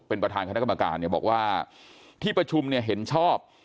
เป็นประธานคณะกรรมการบอกว่าที่ประชุมเห็นชอบ